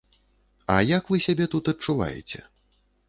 А як вы сябе тут адчуваеце?